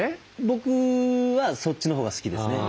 僕はそっちのほうが好きですね。